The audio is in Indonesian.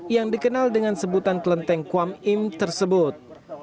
yang dikenal dengan sebutan kelenteng kuam im tersebut